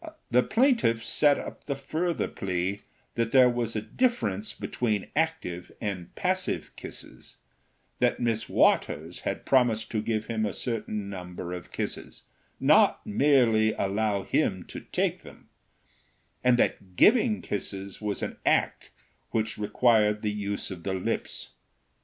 The plaintiff set up the further plea that there was a difference between active and passive kisses; that Miss Waters had promised to give him a certain number of kisses—not merely allow him to take them—and that giving kisses was an act which required the use of the lips.